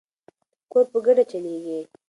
کور په ګډه چلیږي.